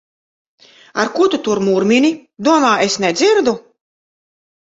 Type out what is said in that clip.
Ar ko tu tur murmini? Domā, es nedzirdu!